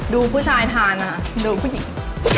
ดูผู้ชายทานนะคะดูผู้หญิง